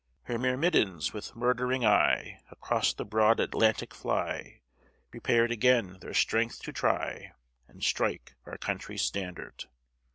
Her myrmidons, with murdering eye, Across the broad Atlantic fly, Prepared again their strength to try, And strike our country's standard.